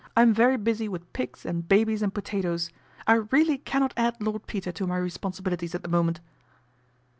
I am very busy with pigs, and babies, and potatoes. I really cannot add Lord Peter to my responsi bilities at the moment."